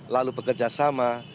lalu bekerja sama